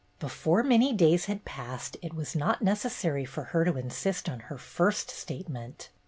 Before many days had passed it was not necessary for her to insist on her first state ment.